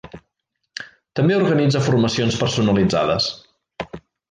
També organitza formacions personalitzades.